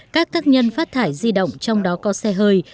các tác nhân phát thải di động trong đó có xe hơi